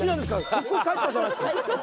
速攻帰ったじゃないですか！